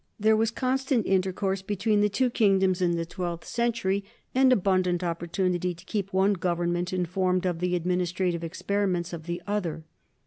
There was constant intercourse between the two kingdoms in the twelfth century, and 230 NORMANS IN EUROPEAN HISTORY abundant opportunity to keep one government in formed of the administrative experiments of the other.